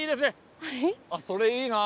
それいいな！